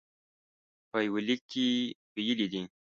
په یوه لیک کې ویلي دي.